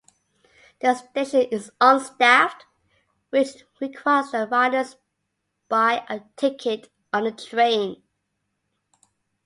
The station is unstaffed, which requires that riders buy a ticket on the train.